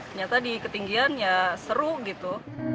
ternyata di ketinggian ya seru gitu